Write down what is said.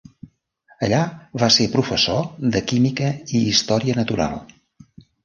Allà va ser professor de química i història natural.